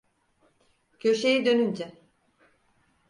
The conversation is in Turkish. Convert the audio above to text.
Köşeyi dönünce.